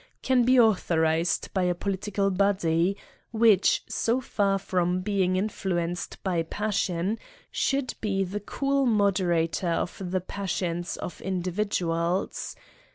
can be authorised by a political boc'y, which, so far from being in fluenced by passion, should be the cool moderator of the passions of individuals